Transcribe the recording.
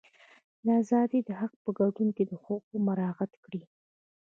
د ازادۍ د حق په ګډون حقوق مراعات کړي.